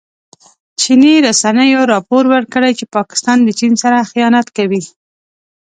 چیني رسنیو راپور ورکړی چې پاکستان د چین سره خيانت کوي.